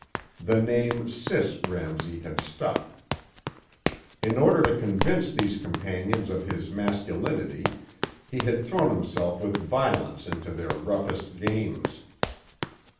The name "Sis" Ramsey had stuck. In order to convince these companions of his masculinity he had thrown himself with violence into their roughest games.